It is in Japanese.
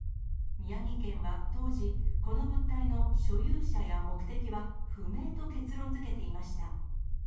宮城県は当時、この物体の所有者や目的は不明と結論づけていました。